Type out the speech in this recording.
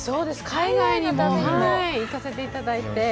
海外にも行かせていただいて。